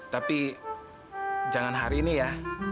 tapi jangan hari ini ya